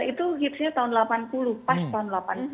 itu hitsnya tahun delapan puluh pas tahun delapan puluh